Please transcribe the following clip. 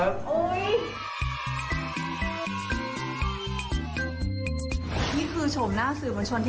อร่อยมากชานมร้านนี้